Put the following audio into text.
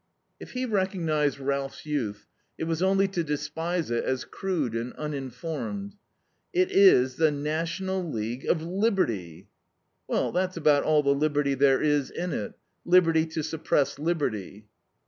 If he recognized Ralph's youth, it was only to despise it as crude and uninformed. "It is the National League of Liberty." "Well, that's about all the liberty there is in it liberty to suppress liberty."